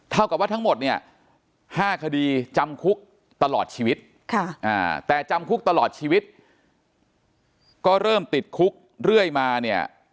เท่ากับว่าทั้งหมดเนี่ย๕คดีจำคุกตลอดชีวิตแต่จำคุกตลอดชีวิตก็เริ่มติดคุกเรื่อยมาเนี่ย